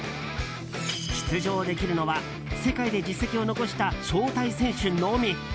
出場できるのは世界で実績を残した招待選手のみ。